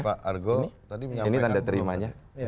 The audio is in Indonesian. ini pak argo tadi menyampaikan